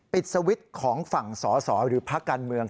ปิดสวิทธิ์ของฝั่งสอหรือพระการเมือง